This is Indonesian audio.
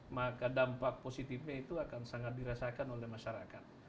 maka dampak positifnya itu akan sangat dirasakan oleh masyarakat